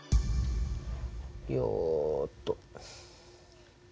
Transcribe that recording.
よっと。